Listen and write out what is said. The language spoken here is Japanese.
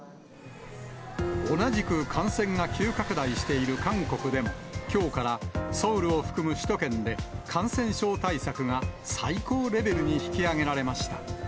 同じく感染が急拡大している韓国でも、きょうからソウルを含む首都圏で、感染症対策が最高レベルに引き上げられました。